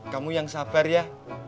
kamu yang sabar ya